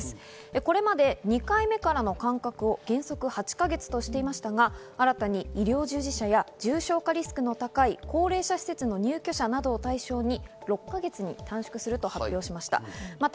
これまで２回目からの間隔を原則８か月としていましたが、新たに医療従事者や重症化リスクの高い高齢者施設の入居者などを対象に６か月に短縮すると発表しました。